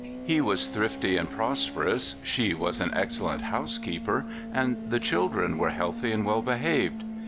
He was thrifty and prosperous, she was an excellent housekeeper, and the children were healthy and well behaved.